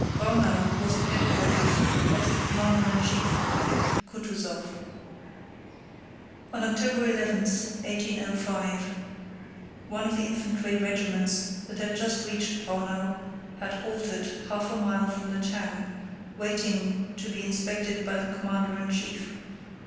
Braunau was the headquarters of the commander in chief, Kutúzov. On October 11, 1805, one of the infantry regiments that had just reached Braunau had halted half a mile from the town, waiting to be inspected by the commander in chief.